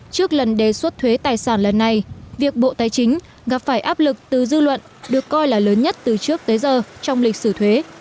trước lần đề xuất thuế tài sản lần này việc bộ tài chính gặp phải áp lực từ dư luận được coi là lớn nhất từ trước tới giờ trong lịch sử thuế